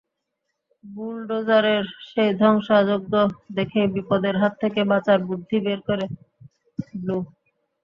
বুলডোজারের সেই ধ্বংসযজ্ঞ দেখেই বিপদের হাত থেকে বাঁচার বুদ্ধি বের করে ব্লু।